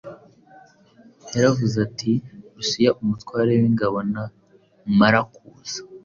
Yaravuze ati: “Lusiya umutware w’ingabo namara kuza,